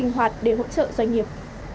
tình hoạt để hỗ trợ doanh nghiệp